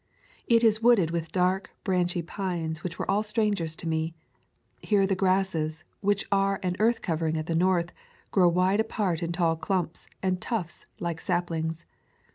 It is wooded with dark, branchy pines which were all strangers to me. Here the grasses, which are an earth covering at the North, grow wide apart in tall clumps and tufts like saplings.